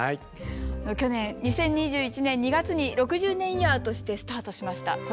去年２０２１年２月に６０年イヤーとしてスタートしました